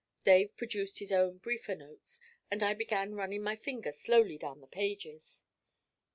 Dave produced his own briefer notes, and I began running my finger slowly down the pages.